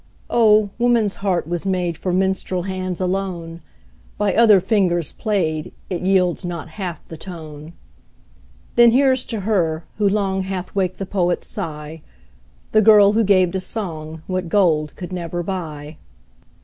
Oh! woman's heart was made For minstrel hands alone; By other fingers played, It yields not half the tone. Then here's to her, who long Hath waked the poet's sigh, The girl who gave to song What gold could never buy.